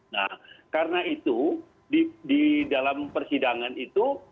nah karena itu di dalam persidangan itu